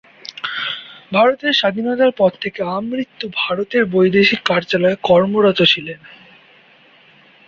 ভারতের স্বাধীনতার পর থেকে আমৃত্যু ভারতের বৈদেশিক কার্যালয়ে কর্মরত ছিলেন।